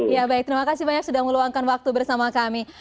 ya baik terima kasih banyak sudah meluangkan waktu bersama kami